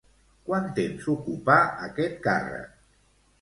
Quant temps ocupà aquest càrrec?